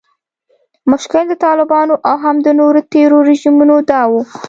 مشکل د طالبانو او هم د نورو تیرو رژیمونو دا و